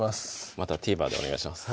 またＴＶｅｒでお願いします